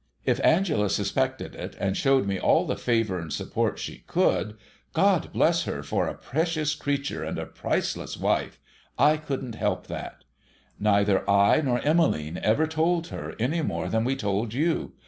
If Angela suspected it, and showed me all the favour and support she could — God bless her for a precious creature and a priceless wife !— I couldn't help that. Neither I nor Emmeline ever told her, any more than we told you.